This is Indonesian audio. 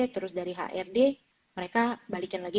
terus dari hrd mereka balikin lagi